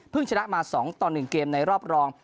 ชนะมา๒ต่อ๑เกมในรอบรอง